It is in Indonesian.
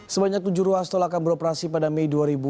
sebanyak tujuh ruas tol akan beroperasi pada mei dua ribu dua puluh